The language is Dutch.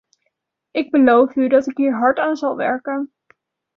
Ik beloof u dat ik hier hard aan zal werken.